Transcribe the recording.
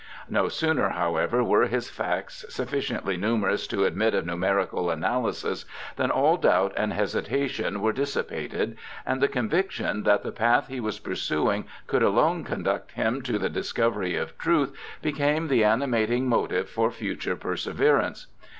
No sooner, however, were his facts sufficiently numerous to admit of numerical analysis than all doubt and hesi tation were dissipated, and the conviction that the path he was pursuing could alone conduct him to the dis covery of truth became the animating motive for future perseverance.